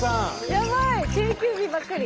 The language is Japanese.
やばい！定休日ばっかり。